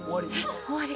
終わり。